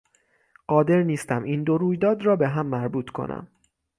قادر نیستم این دو رویداد را به هم مربوط کنم.